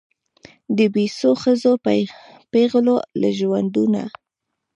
د بېوسو ښځو پېغلو له ژوندونه